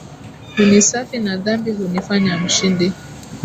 Hunisafi na dhambi, hunifanya Mshindi.